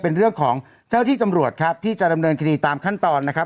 เป็นเรื่องของเจ้าที่ตำรวจครับที่จะดำเนินคดีตามขั้นตอนนะครับ